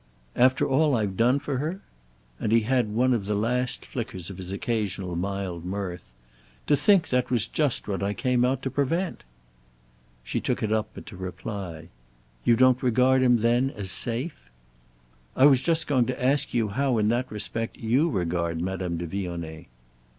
"After all I've done for her?" And he had one of the last flickers of his occasional mild mirth. "To think that was just what I came out to prevent!" She took it up but to reply. "You don't regard him then as safe?" "I was just going to ask you how in that respect you regard Madame de Vionnet."